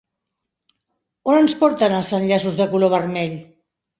On ens porten els enllaços de color vermell?